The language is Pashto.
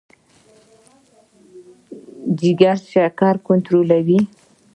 جګر شکر کنټرولوي.